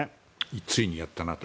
ついにやったなと。